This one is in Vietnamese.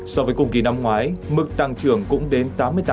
so với cùng kỳ năm ngoái mức tăng trưởng cũng đến tám mươi tám